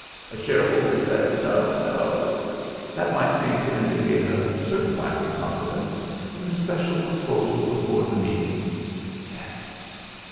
A shareholder said, 'No, no!' That might seem to indicate a certain lack of confidence in the special proposal before the meeting. ("Yes!")